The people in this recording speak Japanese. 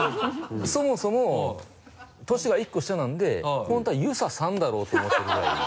そもそも年が１個下なんで本当は「遊佐さん」だろうと思ってるぐらい。